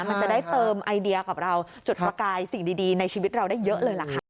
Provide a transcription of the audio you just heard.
มันจะได้เติมไอเดียกับเราจุดประกายสิ่งดีในชีวิตเราได้เยอะเลยล่ะค่ะ